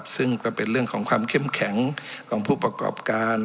ซึ่งก็เป็นเรื่องของความเข้มแข็งของผู้ประกอบการ